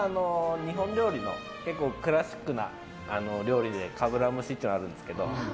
日本料理のクラシックな料理でかぶら蒸しというものがあるんですけど。